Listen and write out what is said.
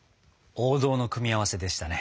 王道の組み合わせでしたね。